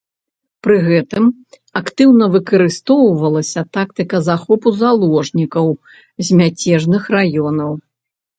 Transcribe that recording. Пры гэтым актыўна выкарыстоўвалася тактыка захопу заложнікаў з мяцежных раёнаў.